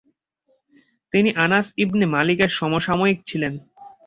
তিনি Anas ibn মালিকের সমসাময়িক ছিলেন।